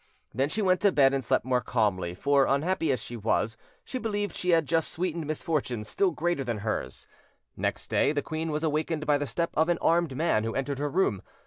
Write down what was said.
Then she went to bed and slept more calmly; for, unhappy as she was, she believed she had just sweetened misfortunes still greater than hers. Next day the queen was awakened by the step of an armed man who entered her room.